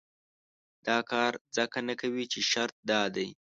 دا کار ځکه نه کوي چې شرط دا دی.